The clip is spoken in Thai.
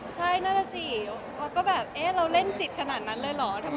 ใช่นั่นแหละสิแล้วก็แบบเอ๊ะเราเล่นจิตขนาดนั้นเลยเหรอ